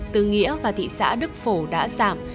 từ nghĩa và thị xã đức phổ đã giảm